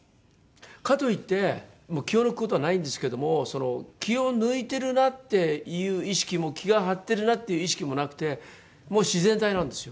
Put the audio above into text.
かと言って気を抜く事はないんですけども気を抜いてるなっていう意識も気が張ってるなっていう意識もなくてもう自然体なんですよ。